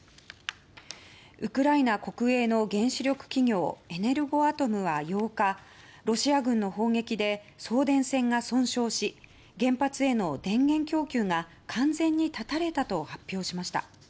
ウクライナ国営の原子力企業エネルゴアトムは８日ロシア軍の砲撃で送電線が損傷し原発への電源供給が完全に断たれたと発表しました。